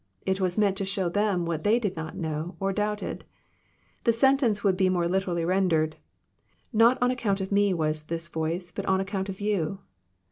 It was meant to show them what they did not know, or doubted. The sentence would be more literally rendered, Not on ac count of Me was this voice, but on account of you.'